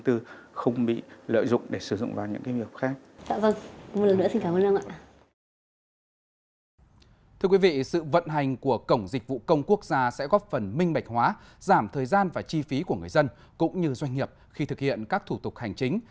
thưa quý vị sự vận hành của cổng dịch vụ công quốc gia sẽ góp phần minh bạch hóa giảm thời gian và chi phí của người dân cũng như doanh nghiệp khi thực hiện các thủ tục hành chính